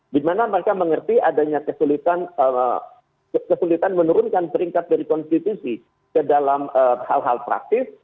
di mana mereka mengerti adanya kesulitan menurunkan peringkat dari konstitusi ke dalam hal hal praktis